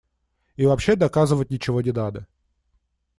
И вообще доказывать ничего не надо.